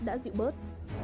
đã dịu bớt